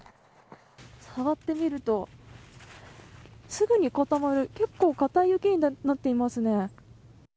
触ってみると、すぐに固まる結構、硬い雪になっていますね。